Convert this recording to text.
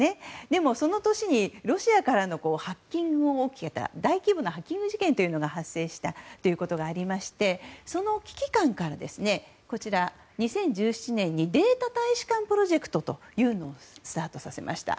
でも、その年にロシアからのハッキングを受けた大規模なハッキング事件が発生しましてその危機感から２０１７年にデータ大使館プロジェクトをスタートさせました。